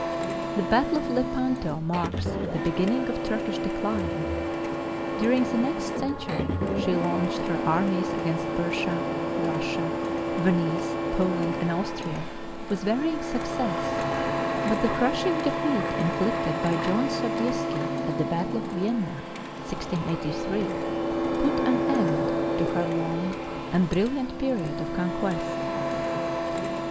The battle of Lepanto marks the beginning of Turkish decline. During the next century she launched her armies against Persia, Russia, Venice, Poland, and Austria with varying success, but the crushing defeat inflicted by John Sobieski at the battle of Vienna (1683) put an end to her long and brilliant period of conquest.